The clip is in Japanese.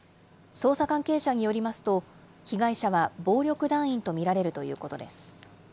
捜査関係者によりますと、被害者は暴力団員と見られるということです。